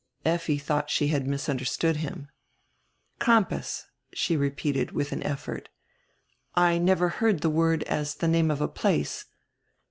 Effi thought she had misunderstood him. "Crampas," she repeated, with an effort. "I never heard die word as die name of a place.